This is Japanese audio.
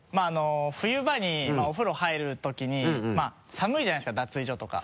冬場にお風呂入るときに寒いじゃないですか脱衣所とか。